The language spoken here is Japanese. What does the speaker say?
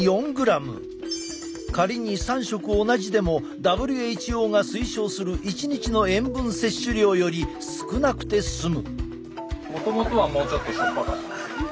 仮に３食同じでもＷＨＯが推奨する一日の塩分摂取量より少なくて済む。